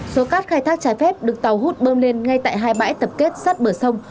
số cát khai thác trái phép được tàu hút bơm lên ngay tại hai bãi tập kết sát bờ sông